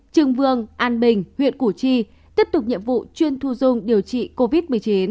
trường vương an bình huyện củ chi tiếp tục nhiệm vụ chuyên thu dung điều trị covid một mươi chín